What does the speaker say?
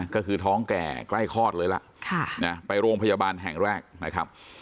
ก็คือท้องแก่ใกล้คลอดเลยล่ะไปโรงพยาบาลแห่งแรกนะครับ